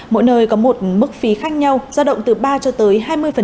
mỗi nơi có một mức phí khác nhau giao động từ ba cho tới hai mươi